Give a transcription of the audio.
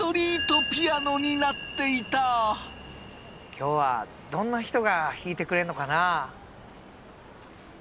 今日はどんな人が弾いてくれんのかなあ？